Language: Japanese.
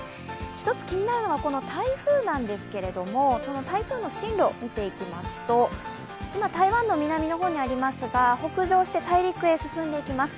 一つ気になるのが台風なんですけれども、台風の進路、見ていきますと今、台湾の南の方にありますが北上して大陸へ進んでいきます。